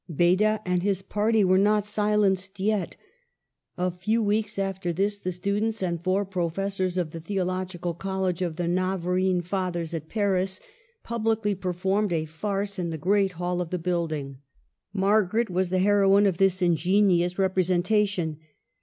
Beda and his party were not silenced yet. A few weeks after this the students and four pro fessors of the theological college of the Navar rene Fathers at Paris publicly performed a farce in the great hall of the building. Margaret was 10 146 MARGARET OF ANGOULEME. the heroine of this ingenious representation.